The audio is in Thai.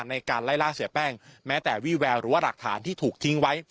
ในการไล่ล่าเสียแป้งแม้แต่วี่แววหรือว่าหลักฐานที่ถูกทิ้งไว้